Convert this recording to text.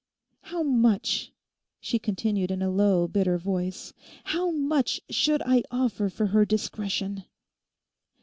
How much,' she continued in a low, bitter voice, 'how much should I offer for her discretion?